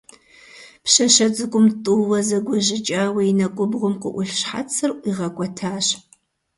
Пщащэ цӀыкӀум тӀууэ зэгуэжьыкӀауэ и нэкӀубгъум къыӀулъ щхьэцыр ӀуигъэкӀуэтащ.